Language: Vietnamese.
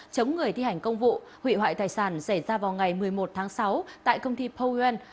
chống người thi hành công vụ hủy hoại tài sản xảy ra vào ngày một mươi một tháng sáu tại công ty powell